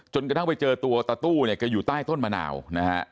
กระทั่งไปเจอตัวตาตู้เนี่ยแกอยู่ใต้ต้นมะนาวนะฮะ